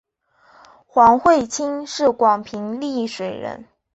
黄晦卿是广平丽水人。